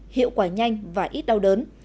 hiệu quả nhanh và ít đau đớn